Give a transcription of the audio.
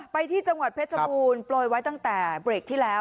ไปที่จังหวัดเพชรบูรณ์โปรยไว้ตั้งแต่เบรกที่แล้ว